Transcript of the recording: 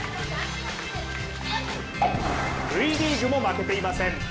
Ｖリーグも負けていません。